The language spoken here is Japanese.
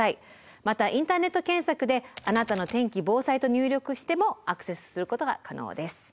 またインターネット検索で「あなたの天気・防災」と入力してもアクセスすることが可能です。